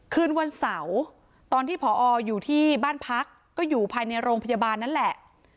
คืนวันเสาร์ตอนที่ผออยู่ที่บ้านพักก็อยู่ภายในโรงพยาบาลนั่นแหละ